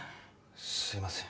すいません。